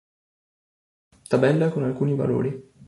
Tabella con alcuni valori.